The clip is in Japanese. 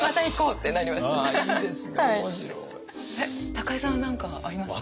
高井さんは何かありますか？